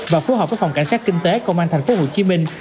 và phù hợp với phòng cảnh sát kinh tế công an thành phố hồ chí minh